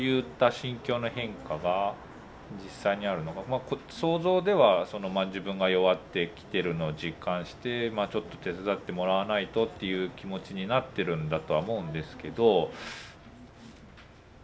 まあ想像では自分が弱ってきてるのを実感して「ちょっと手伝ってもらわないと」っていう気持ちになってるんだとは思うんですけど。